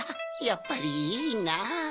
やっぱりいいなぁ。